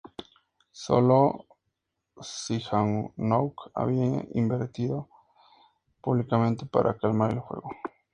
Sólo Sihanouk había intervenido públicamente para calmar el juego".